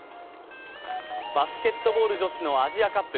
バスケットボール女子のアジアカップ。